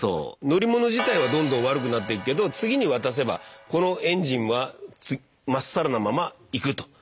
乗り物自体はどんどん悪くなっていくけど次に渡せばこのエンジンはまっさらなまま行くと。